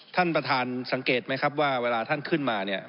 ท่านประธานสังเกตไหมครับว่าเวลาท่านขึ้นมาเนี่ย